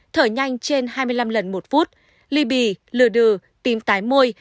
thở nhanh trên hai mươi năm lần một phút ly bì lừa đừ tim tái môi